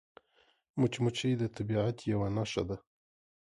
مچمچۍ د طبیعت یوه نښه ده